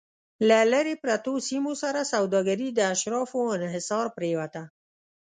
له لرې پرتو سیمو سره سوداګري د اشرافو انحصار پرېوته